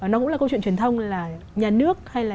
nó cũng là câu chuyện truyền thông là nhà nước